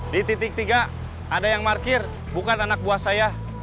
di titik tiga ada yang parkir bukan anak buah saya